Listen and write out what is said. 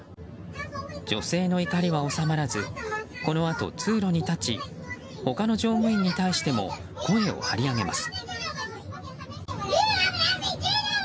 女性の怒りは収まらずこのあと通路に立ち他の乗務員に対しても声を張り上げます。